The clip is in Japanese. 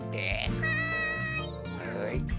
はい。